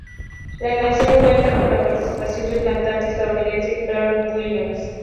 La canción cuenta con la participación del cantante estadounidense Pharrell Williams.